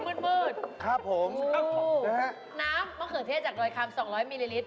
อ๋อมันมืดครับผมโอ้โฮน้ำมะเขือเทศจากโดยคำ๒๐๐มิลลิลิตร